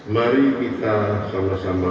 mari kita sama sama